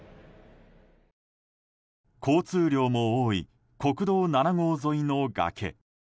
交通量も多い国道７号沿いの崖。